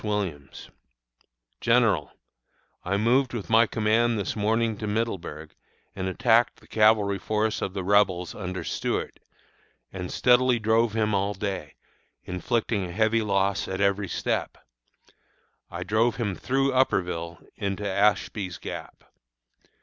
Williams_: GENERAL: I moved with my command this morning to Middleburg, and attacked the cavalry force of the Rebels under Stuart, and steadily drove him all day, inflicting a heavy loss at every step. I drove him through Upperville into Ashby's Gap.